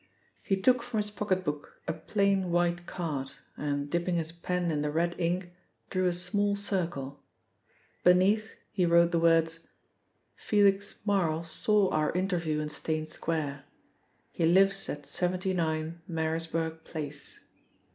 He took from his pocket book a plain white card, and dipping his pen in the red ink, drew a small circle. Beneath he wrote the words: 'Felix Marl saw our interview in Steyne Square. He lives at 79, Marisburg Place.'